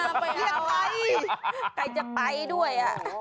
ไปเรียกใครใครจะไปด้วย